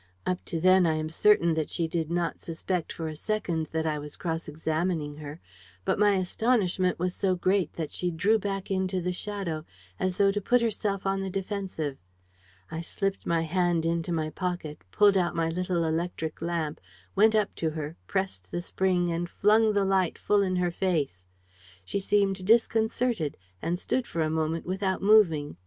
"Up to then I am certain that she did not suspect for a second that I was cross examining her. But my astonishment was so great that she drew back into the shadow, as though to put herself on the defensive. I slipped my hand into my pocket, pulled out my little electric lamp, went up to her, pressed the spring and flung the light full in her face. She seemed disconcerted and stood for a moment without moving.